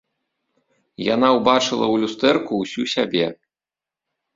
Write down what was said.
Яна ўбачыла ў люстэрку ўсю сябе.